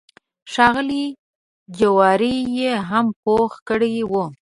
ښه غلي جواري یې هم پوخ کړی و.